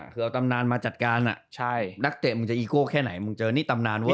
คือเอาตำนานมาจัดการใช่นักเตะมึงจะอีโก้แค่ไหนมึงเจอนี่ตำนานเว้